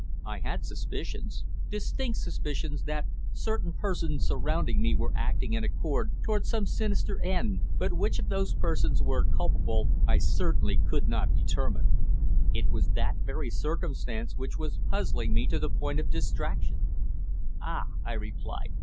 I had suspicions distinct suspicions that certain persons surrounding me were acting in accord towards some sinister end, but which of those persons were culpable I certainly could not determine. It was that very circumstance which was puzzling me to the point of distraction. "Ah!" I replied.